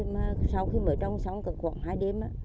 mà sau khi mở trồng xong cần khoảng hai đêm